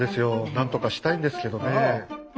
なんとかしたいんですけどねえ。